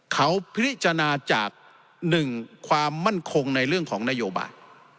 เขาพิจารณาจาก๑ความมั่นคงในเรื่องของนโยบาย